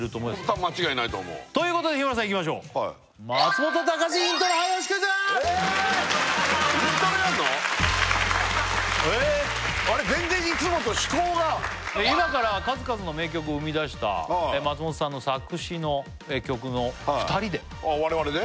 多分間違いないと思うということで日村さんいきましょうイントロやんの？えあれっ全然いつもと趣向が今から数々の名曲を生み出した松本さんの作詞の曲の２人でああ我々で？